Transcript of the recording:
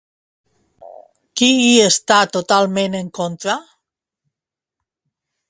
Qui hi està totalment en contra?